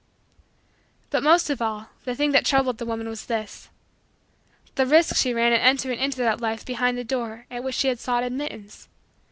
But most of all, the thing that troubled the woman was this: the risk she ran in entering into that life behind the door at which she had sought admittance.